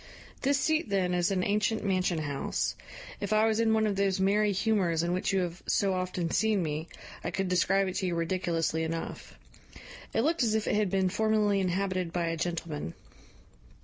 "This seat, then, is an ancient mansion house: if I was in one of those merry humours in which you have so often seen me, I could describe it to you ridiculously enough. It looked as if it had been formerly inhabited by a gentleman.